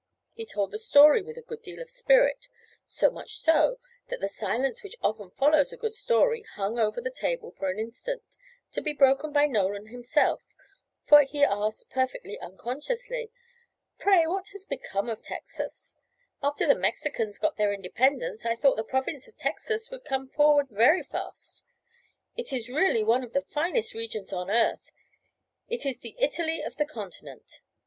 He told the story with a good deal of spirit so much so, that the silence which often follows a good story hung over the table for an instant, to be broken by Nolan himself. For he asked perfectly unconsciously: "Pray, what has become of Texas? After the Mexicans got their independence, I thought that province of Texas would come forward very fast. It is really one of the finest regions on earth; it is the Italy of this continent.